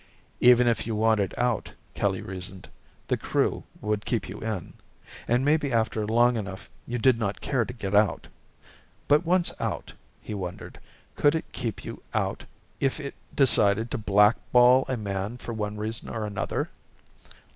Even if you wanted out, Kelly reasoned, the Crew would keep you in. And maybe after long enough you did not care to get out. But once out, he wondered, could it keep you out if it decided to blackball a man for one reason or another?